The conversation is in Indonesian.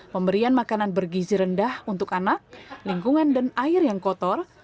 pemberian makanan bergizi rendah untuk anak lingkungan dan air yang kotor